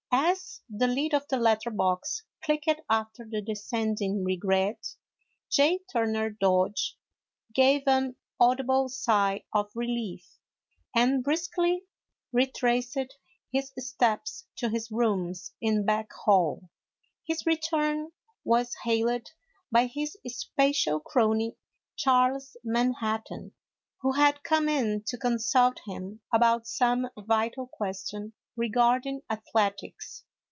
As the lid of the letter box clicked after the descending " regret," J. Turner Dodge gave an audible sigh of relief and briskly retraced his steps to his rooms in Beck Hall. His return was hailed by his special crony, Charles Manhattan, who had come in to consult him about some vital question regarding athletics.